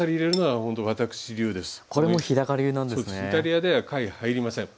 イタリアでは貝入りません。